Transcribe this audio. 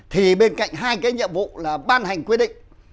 thì bên cạnh hai cái nhiệm vụ là ban hành quyết định